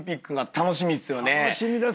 楽しみですね。